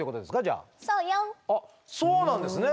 あっそうなんですね。